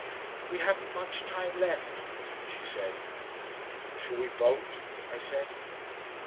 "We haven't much time left," she said. "Shall we bolt?" I said.